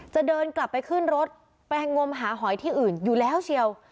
จะเดินกลับไปขึ้นรถไปงมหาหอยที่อื่นอยู่แล้วเชียว